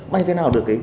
bay thế nào được